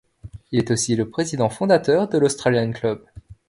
Il est aussi le président fondateur de l'Australian Club.